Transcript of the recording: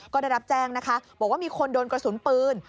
ก็ได้รับแจ้งนะคะบอกว่ามีคนโดนกระสุนปืน